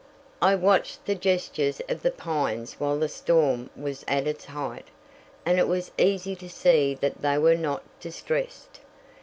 I watched the gestures of the pines while the storm was at its height, and it was easy to see that they were not distressed.